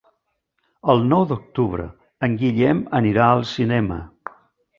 El nou d'octubre en Guillem anirà al cinema.